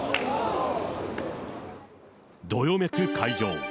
どよめく会場。